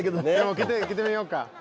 聞いてみようか。